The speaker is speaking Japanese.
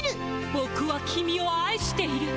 ボクはキミを愛している。